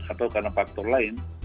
atau karena faktor lain